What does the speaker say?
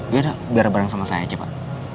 ya udah biar bareng sama saya aja pak